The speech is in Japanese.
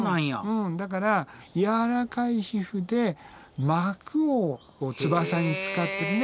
うんだから柔らかい皮膚で膜を翼に使ってね。